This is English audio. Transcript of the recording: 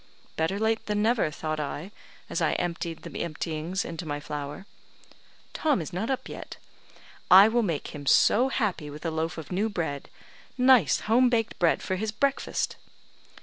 "Better late than never," thought I, as I emptied the emptyings into my flour. "Tom is not up yet. I will make him so happy with a loaf of new bread, nice home baked bread, for his breakfast."